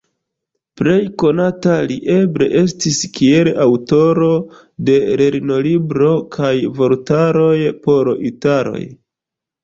Plej konata li eble estis kiel aŭtoro de lernolibro kaj vortaroj por italoj.